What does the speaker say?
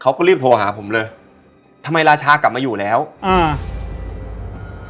เขาก็รีบโทรหาผมเลยทำไมราชากลับมาอยู่แล้วอืม